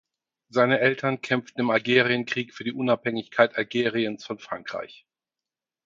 Seine Eltern kämpften im Algerienkrieg für die Unabhängigkeit Algeriens von Frankreich.